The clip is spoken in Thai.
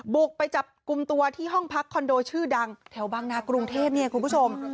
บุกไปจับกลุ่มตัวที่ห้องพักคอนโดชื่อดังแถวบางนากรุงเทพเนี่ยคุณผู้ชม